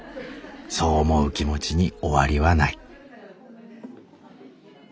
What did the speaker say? そう思う気持ちに終わりはない。